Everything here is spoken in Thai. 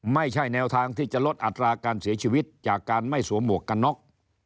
ไม่ใช่แนวทางที่จะลดอัตราการเสียชีวิตจากการไม่สวมหมวกกันน็อก